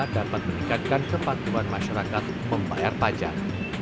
dapat meningkatkan kepatuhan masyarakat membayar pajak